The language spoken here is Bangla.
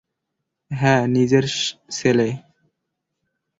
হ্যাঁ, নিজের সেলে।